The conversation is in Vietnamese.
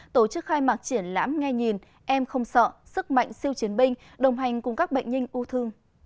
tổ chức khai mạc triển lãm nghe nhìn em không sợ sức mạnh siêu chiến binh đồng hành cùng các bệnh nhân ung thư